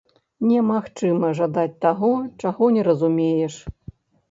Немагчыма жадаць таго, чаго не разумееш.